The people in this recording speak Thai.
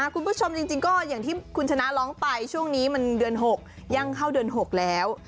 คุณผู้ชมจริงก็อย่างที่คุณชนะร้องไปช่วงนี้มันเดือน๖ยังเข้าเดือน๖แล้ว